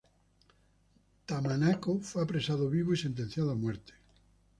Tamanaco fue apresado vivo y sentenciado a muerte.